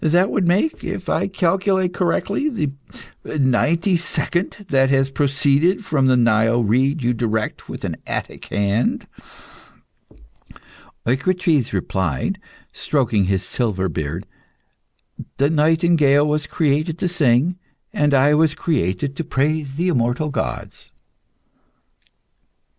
That would make, if I calculate correctly, the ninety second that has proceeded from the Nile reed you direct with an Attic hand." Eucrites replied, stroking his silver beard "The nightingale was created to sing, and I was created to praise the immortal gods."